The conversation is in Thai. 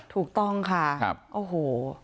ถูกต้องค่ะโอ้โห